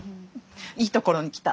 いいところに来た。